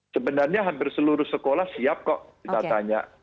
sebenarnya hampir seluruh sekolah siap kok kita tanya